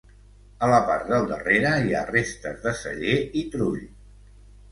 A la part del darrere hi ha restes de celler i trull.